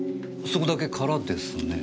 そこだけ空ですね。